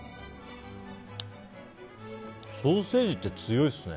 ソーセージって強いですね。